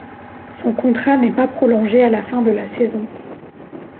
Son contrat n’est pas prolongé à la fin de la saison.